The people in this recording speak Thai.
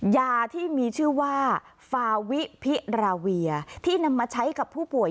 ยาที่มีชื่อว่าฟาวิพิราเวียที่นำมาใช้กับผู้ป่วย